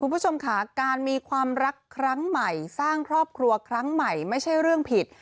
คุณผู้ชมค่ะการมีความรักครั้งใหม่สร้างครอบครัวครั้งใหม่ไม่ใช่เรื่องผิด